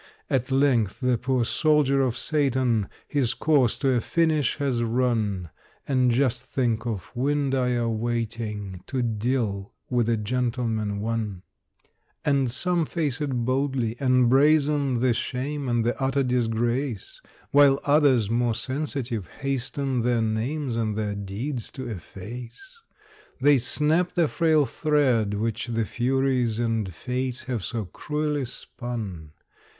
At length the poor soldier of Satan His course to a finish has run And just think of Windeyer waiting To deal with "A Gentleman, One"! And some face it boldly, and brazen The shame and the utter disgrace; While others, more sensitive, hasten Their names and their deeds to efface. They snap the frail thread which the Furies And Fates have so cruelly spun.